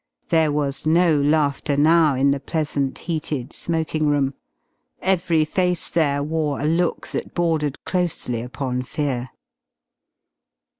There was no laughter now in the pleasant, heated smoking room. Every face there wore a look that bordered closely upon fear.